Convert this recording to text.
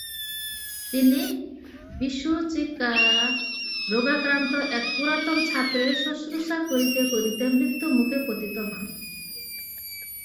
তিনি বিসূচিকারোগাক্রান্ত এক পুরাতন ছাত্রের শুশ্রূষা করিতে করিতে মৃত্যুমুখে পতিত হন।